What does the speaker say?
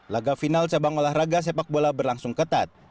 laga final cabang olahraga sepak bola berlangsung ketat